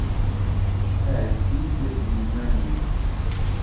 Aki-d d yiman-im!